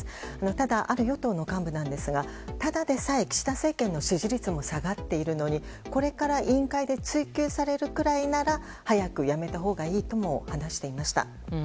ただ、ある与党幹部ですがただでさえ岸田政権の支持率も下がっているのにこれから委員会で追及されるぐらいなら早く辞めたほうがいいとも話していました。